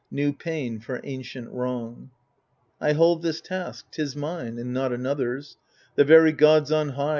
New pain for ancient wrong. I hold this task — ^'tis mine, and not another's. The very gods on high.